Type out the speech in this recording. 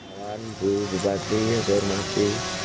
pembangunan ibu bupati yang seorang masih